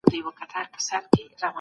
خداينور مخلص خليل صدق